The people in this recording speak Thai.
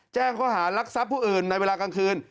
แจ้งข้อหารักทรัพย์ผู้อื่นในเวลากลางคืน